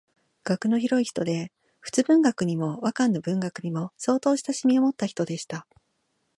学の広い人で仏文学にも和漢の文学にも相当親しみをもった人でした